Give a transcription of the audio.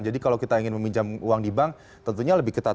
jadi kalau kita ingin meminjam uang di bank tentunya lebih ketat